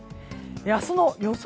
明日の予想